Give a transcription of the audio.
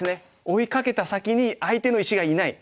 追いかけた先に相手の石がいない。